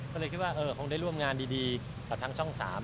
ก็เลยคิดว่าคงได้ร่วมงานดีกับทางช่อง๓